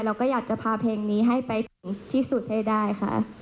เราก็อยากจะพาเพลงนี้ให้ไปถึงที่สุดให้ได้ค่ะ